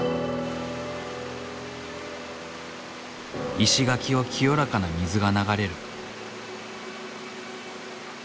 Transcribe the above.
石垣を清らかな水が流れる。